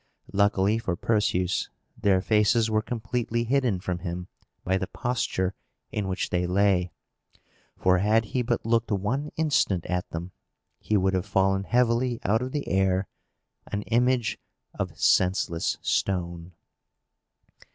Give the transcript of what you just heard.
Luckily for Perseus, their faces were completely hidden from him by the posture in which they lay; for, had he but looked one instant at them, he would have fallen heavily out of the air, an image of senseless stone.